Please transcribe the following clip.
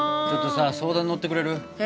ちょっとさ相談に乗ってくれる？